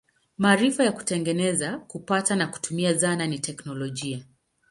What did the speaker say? Maarifa ya kutengeneza, kupata na kutumia zana ni teknolojia.